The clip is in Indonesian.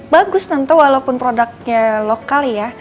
bagus tentu walaupun produknya lokal ya